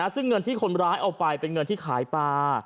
ซึ่งเงินที่คนร้ายเอาไปเป็นเงินที่ขายปลา